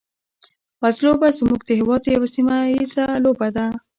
وزلوبه زموږ د هېواد یوه سیمه ییزه لوبه ده.